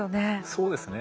そうですね。